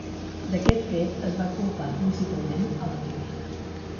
D'aquest fet es va culpar principalment a la brigada.